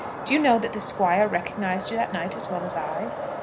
Do you know that the Squire recognised you that night as well as I?"